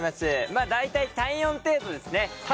まあ大体体温程度ですね。